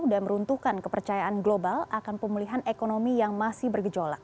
dan meruntuhkan kepercayaan global akan pemulihan ekonomi yang masih bergejolak